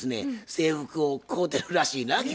制服を買うてるらしいな君。